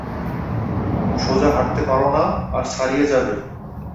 সোজা হাঁটতে পারো না আর ছাড়িয়ে যাবে।